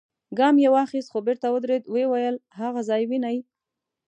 ګام يې واخيست، خو بېرته ودرېد، ويې ويل: هاغه ځای وينې؟